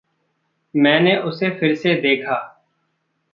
मैंने उसे फिरसे देखा।